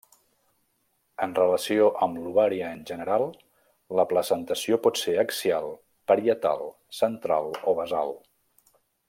En relació amb l'ovari en general, la placentació pot ser axial, parietal, central o basal.